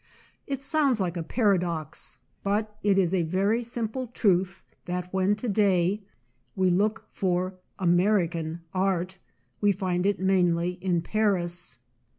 It sounds like a paradox, but it is a very simple truth, that when to day we look for "American art" we find it mainly in Paris.